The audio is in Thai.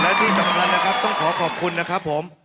และที่สำคัญนะครับต้องขอขอบคุณนะครับผม